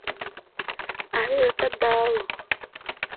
আরে ওটা দাও।